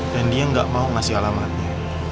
dan dia gak mau ngasih alamatnya